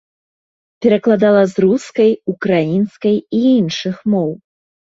Перакладала з рускай, украінскай і іншых моў.